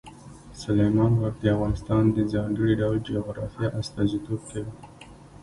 سلیمان غر د افغانستان د ځانګړي ډول جغرافیه استازیتوب کوي.